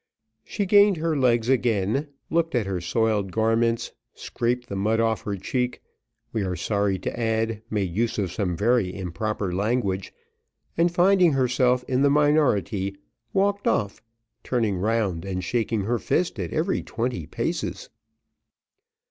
She gained her legs again, looked at her soiled garments, scraped the mud off her cheek we are sorry to add, made use of some very improper language, and finding herself in the minority, walked off, turning round and shaking her fist at every twenty paces.